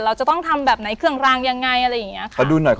เราจะต้องทำแบบไหนเครื่องรางยังไงอะไรอย่างเงี้ยค่ะ